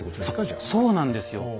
そうそうなんですよ。